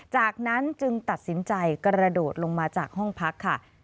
จากนั้นจึงตัดสินใจกระโดดลงมาจากห้องพักค่ะ